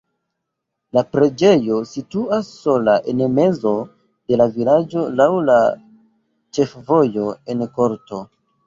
La preĝejo situas sola en mezo de la vilaĝo laŭ la ĉefvojo en korto.